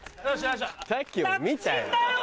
さっきも見たよ。